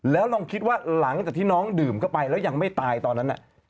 แล้วลองคิดว่าหลังจากที่น้องดื่มเข้าไปแล้วยังไม่ตายตอนนั้น